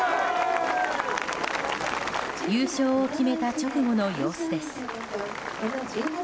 優勝を決めた直後の様子です。